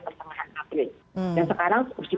pertengahan april dan sekarang